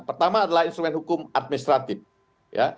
pertama adalah instrumen hukum administratif ya